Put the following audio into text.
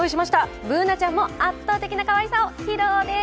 Ｂｏｏｎａちゃんも圧倒的なかわいさを披露です。